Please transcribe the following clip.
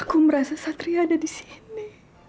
aku merasa satria ada disini